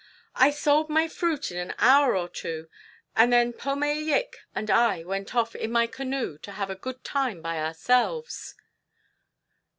"I sold my fruit in an hour or two, and then Pome Yik and I went off in my canoe to have a good time by ourselves."